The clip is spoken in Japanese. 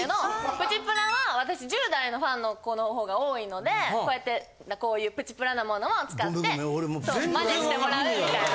プチプラは私十代のファンの子の方が多いのでこうやってこういうプチプラなものを使って真似してもらうみたいな。